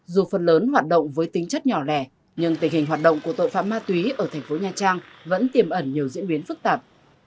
dù phần lớn hoạt động với tính chất nhỏ lẻ nhưng tình hình hoạt động của tội phạm ma túy ở thành phố nha trang vẫn tiềm ẩn nhiều diễn biến phức tạp